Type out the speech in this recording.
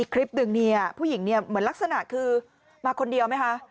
คลิปหนึ่งเนี่ยผู้หญิงเนี่ยเหมือนลักษณะคือมาคนเดียวไหมคะ